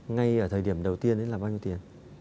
ngay ở thời điểm đầu tiên đấy là bao nhiêu tiền